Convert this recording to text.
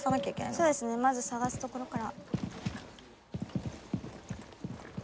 そうですねまず探すところから。